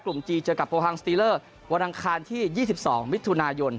กลุ่มจีเจอกับโพฮังสตีลเลอร์วันอังคารที่ยี่สิบสองมิถุนายน